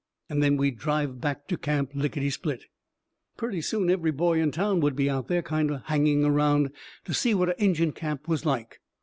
And then we'd drive back to camp, lickitysplit. Purty soon every boy in town would be out there, kind o' hanging around, to see what a Injun camp was like.